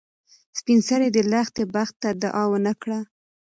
سپین سرې د لښتې بخت ته دعا ونه کړه.